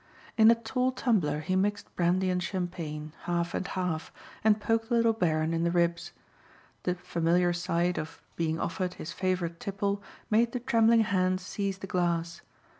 In a tall tumbler he mixed brandy and champagne half and half and poked the little Baron in the ribs. The familiar sight of being offered his favorite tipple made the trembling hand seize the glass.